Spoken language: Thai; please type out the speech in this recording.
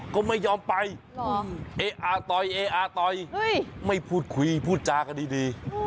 ก็ไม่ยอมไปไม่พูดคุยพูดจาก่อนดี